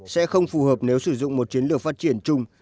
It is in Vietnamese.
sẽ không phù hợp nếu sử dụng một chiến lược phát triển chung